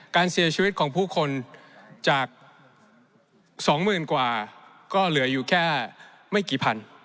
การเสียชีวิตของผู้คนจาก๒หมื่นกว่าก็เหลืออยู่แค่ไม่กี่พัน